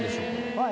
はい。